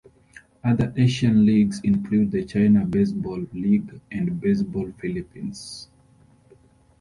Other Asian leagues include the China Baseball League and Baseball Philippines.